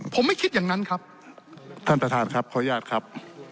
ผมไม่คิดอย่างนั้นครับ